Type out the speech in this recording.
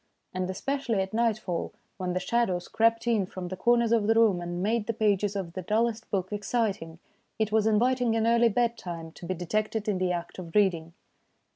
And especially at nightfall, when the shadows crept in from the corners of the room and made the pages of the dullest book exciting, it was inviting an early bed time to be detected in the act of reading.